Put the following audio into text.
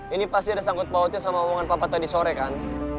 ini pasti ada sangkut pautnya sama omongan papa tadi sore kan